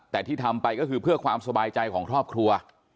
แต่ที่ทำไปก็คือเพื่อความสบายใจของครอบครัว